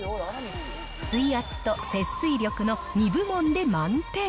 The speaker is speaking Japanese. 水圧と節水力の２部門で満点。